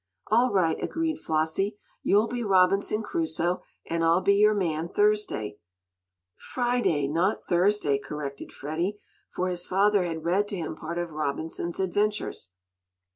"All right," agreed Flossie. "You'll be Robinson Crusoe, and I'll be your man Thursday." "Friday not Thursday," corrected Freddie, for his father had read to him part of Robinson's adventures.